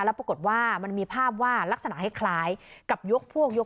แล้วปรากฏว่ามันมีภาพว่าลักษณะคล้ายกับยกพวกยก